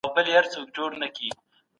د توحيد لاره د پوهې له لارې تيريږي.